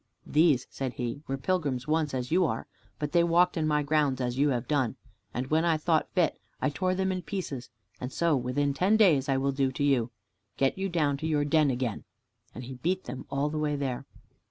"These," said he, "were pilgrims once as you are, but they walked in my grounds as you have done. And when I thought fit, I tore them in pieces, and so within ten days I will do to you, Get you down to your den again," and he beat them all the way there.